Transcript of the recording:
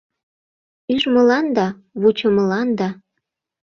Ӱжмыланда, вучымыланда